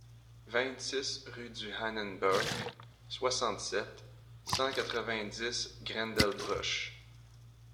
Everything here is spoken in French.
vingt-six rue du Hahnenberg, soixante-sept, cent quatre-vingt-dix, Grendelbruch